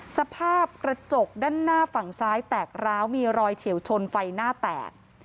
สภาพกระจกด้านหน้าฝั่งซ้ายแตกร้าวมีรอยเฉียวชนไฟหน้าแตก